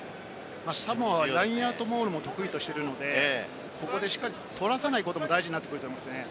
サモア、ラインアウトモールも得意としているので、ここでしっかり取らせないことも大事になってくると思います。